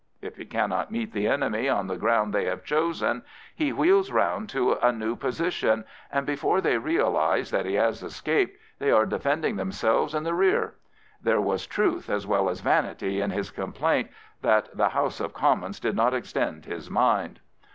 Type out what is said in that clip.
If he cannot meet the enemy on the ground they have chosen, he Arthur James Balfour wheels round to a new position, and before they realise that he has escaped they are defending them selves in the rear. There was truth as well as vanity in his complaint that " the House of Commons did not extend his mind."